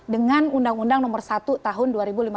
dengan undang undang nomor satu tahun